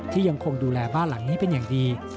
ยังคงดูแลบ้านหลังนี้เป็นอย่างดี